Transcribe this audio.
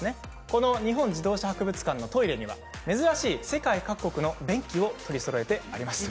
この日本自動車博物館のトイレには珍しい世界各国のトイレを取りそろえています。